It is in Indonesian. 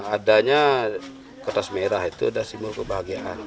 adanya kertas merah itu ada simbol kebahagiaan